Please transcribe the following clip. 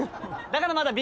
だからまだ。